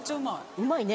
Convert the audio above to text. うまいね。